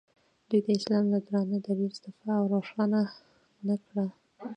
دوی د اسلام له درانه دریځه دفاع او روښانه نه کړ.